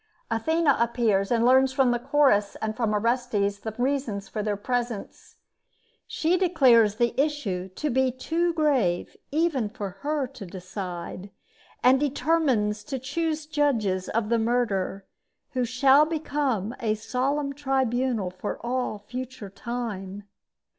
Athena appears, and learns from the Chorus and from Orestes the reasons for their presence. She declares the issue to be too grave even for her to decide, and determines to choose judges of the murder, who shall become a solemn tribunal for all future time.